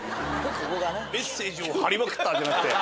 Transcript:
「メッセージを貼りまくった」じゃなくて。